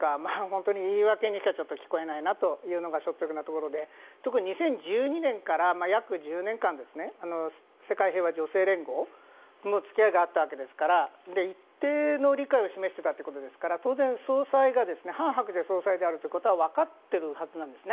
本当に言い訳にしか聞こえないなというのが率直なところで特に２０１２年から約１０年間世界平和女性連合との付き合いがあったわけですから一定の理解を示していたということですから当然、総裁がハン・ハクチャ総裁であることはわかっているはずなんです。